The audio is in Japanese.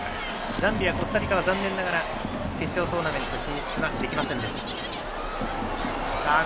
ザンビア、コスタリカは残念ながら決勝トーナメント進出はできませんでした。